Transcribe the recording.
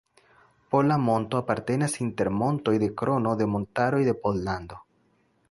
Pola monto apartenas inter montoj de Krono de montaroj de Pollando.